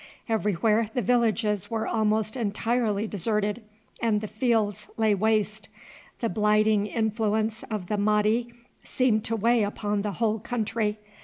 Everywhere the villages were almost entirely deserted and the fields lay waste; the blighting influence of the Mahdi seemed to weigh upon the whole country.